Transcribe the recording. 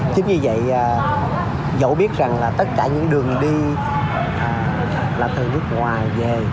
chính như vậy dẫu biết rằng là tất cả những đường đi là thường nước ngoài về